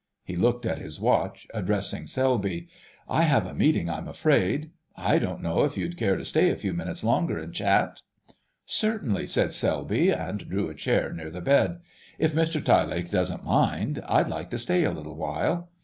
He looked at his watch, addressing Selby. "I have a meeting, I'm afraid.... I don't know if you'd care to stay a few minutes longer and chat?" "Certainly," said Selby, and drew a chair near the bed. "If Mr Tyelake doesn't mind, I'd like to stay a little while...."